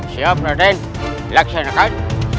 siap raden laksanakan